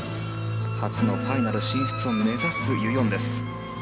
初のファイナル進出を目指すユ・ヨンです。